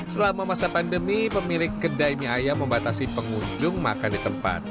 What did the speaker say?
selama masa pandemi pemilik kedai mie ayam membatasi pengunjung makan di tempat